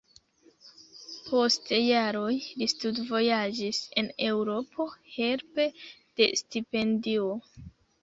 Post jaroj li studvojaĝis en Eŭropo helpe de stipendio.